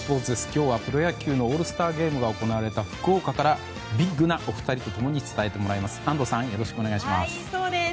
今日はプロ野球のオールスターゲームが行われた福岡からビッグなお二人と共に伝えてもらいます。